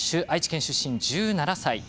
愛知県出身、１７歳。